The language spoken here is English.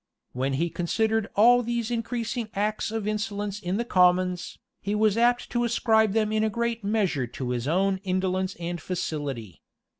When he considered all these increasing acts of insolence in the commons, he was apt to ascribe them in a great measure to his own indolence and facility.